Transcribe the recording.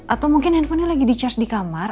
atau mungkin handphonenya lagi di charge di kamar